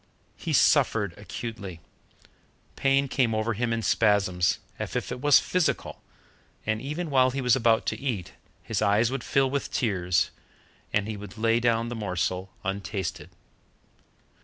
He suffered acutely. Pain came over him in spasms, as if it was physical, and even while he was about to eat, his eyes would fill with tears, and he would lay down the morsel untasted.